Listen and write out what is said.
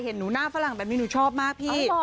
หนูหน้าฝรั่งแบบนี้หนูชอบมากพี่